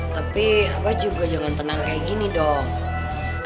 tapi apa juga jangan tenang kayak gini dong